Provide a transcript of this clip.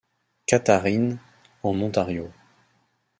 Catharines, en Ontario.